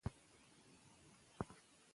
ناکارنده، شاته پاتې او بې ارزښته وښيي.